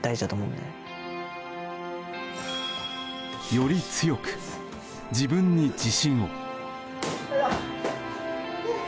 より強く、自分に自信を。